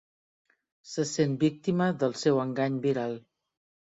Se sent víctima del seu engany viral.